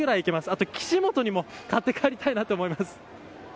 あと岸本にも買って帰りたいなと思います。